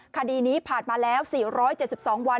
คดีนี้ผ่านมาแล้ว๔๗๒วัน